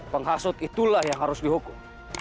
penghasut itulah yang harus dihukum